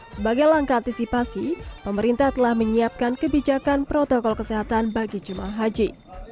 sebagai langkah antisipasi pemerintah telah menyiapkan kebijakan protokol kesehatan bagi jemaah haji